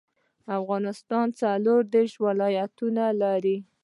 افغانستان څلور ديرش ولايتونه لري.